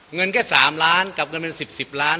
เงินแค่๓ล้านกับเงินเป็น๑๐๑๐ล้าน